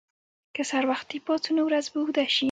که سهار وختي پاڅو، نو ورځ به اوږده شي.